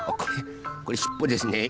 これしっぽですね。